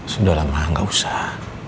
sudah lama gak usah